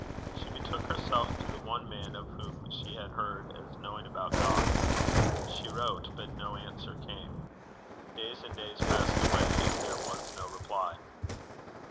She betook herself to the one man of whom she had heard as knowing about God. She wrote, but no answer came. Days and days passed away, and there was no reply.